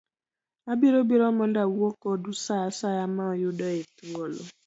Abiro biro mondo awuo kodu sa asaya muyudoe thuolo.